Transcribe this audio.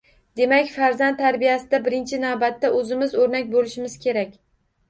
Demak, farzand tarbiyasida birinchi navbatda o‘zimiz o‘rnak bo‘lishimiz kerak.